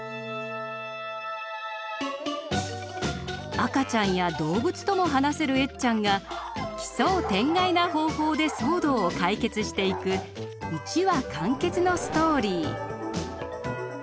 赤ちゃんや動物とも話せるエッちゃんが奇想天外な方法で騒動を解決していく一話完結のストーリー。